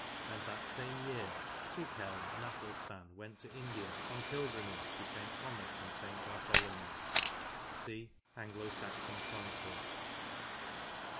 And that same year Sighelm and Athelstan went to India on pilgrimage to St. Thomas and St. Bartholomew." — See ''Anglo Saxon Chronicle!'